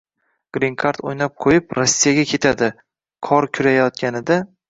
«Grin kard» o‘ynab qo‘yib Rossiyaga ketadi, qor kurayotganida